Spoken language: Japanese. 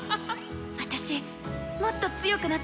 「私もっと強くなって